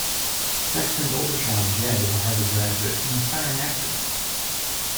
Sexton's older child, Jed, is a Harvard graduate and aspiring actor.